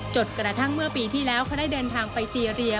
จนกระทั่งเมื่อปีที่แล้วเขาได้เดินทางไปซีเรีย